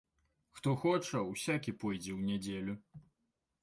Хто хоча, усякі пойдзе ў нядзелю.